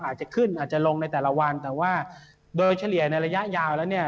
อาจจะขึ้นอาจจะลงในแต่ละวันแต่ว่าโดยเฉลี่ยในระยะยาวแล้วเนี่ย